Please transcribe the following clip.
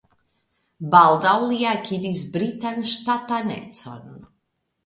Baldaŭ li akiris britan ŝtatanecon.